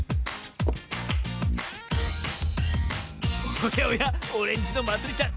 おやおやオレンジのまつりちゃん